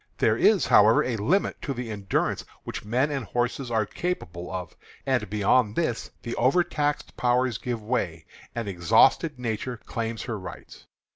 "There is, however, a limit to the endurance which men and horses are capable of, and, beyond this, the overtaxed powers give way, and exhausted nature claims her rights.